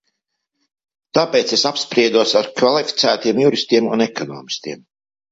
Tāpēc es apspriedos ar kvalificētiem juristiem un ekonomistiem.